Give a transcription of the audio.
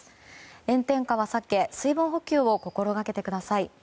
炎天下は避け水分補給を心がけてください。